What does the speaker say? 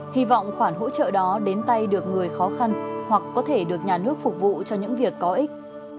hy vọng khoản hỗ trợ đó đến tay được người khó khăn hoặc có thể được nhà nước phục vụ cho những việc có ích